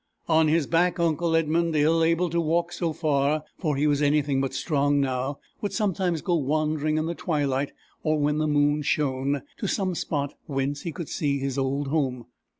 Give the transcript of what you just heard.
On his back, uncle Edmund, ill able to walk so far for he was anything but strong now, would sometimes go wandering in the twilight, or when the moon shone, to some spot whence he could see his old home.